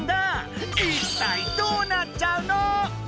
いったいどうなっちゃうの⁉